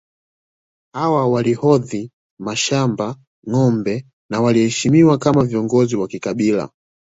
Hawa walihodhi mashamba ngombe na waliheshimiwa kama viongozi wa kikabila